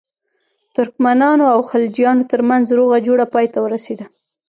ترکمنانو او خلجیانو ترمنځ روغه جوړه پای ته ورسېده.